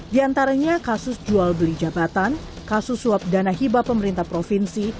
di antaranya kasus jual beli jabatan kasus suap dana hibah pemerintah provinsi